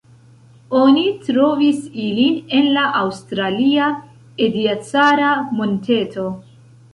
Oni trovis ilin en la aŭstralia Ediacara-monteto.